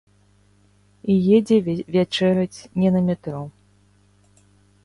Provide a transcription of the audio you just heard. І едзе вячэраць не на метро.